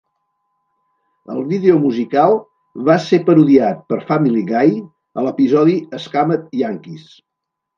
El vídeo musical va ser parodiat per Family Guy a l'episodi "Scammed Yankees".